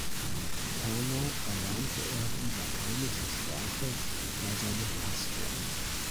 Ferner erlernte er die lateinische Sprache bei seinem Pastor.